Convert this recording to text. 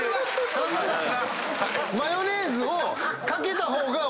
さんまさん。